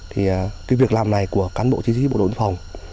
thì cái việc làm này của cán bộ chính sĩ bộ đội phòng